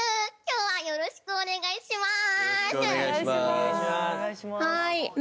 よろしくお願いします